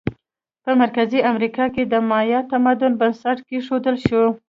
په مرکزي امریکا کې د مایا تمدن بنسټ کېښودل شو.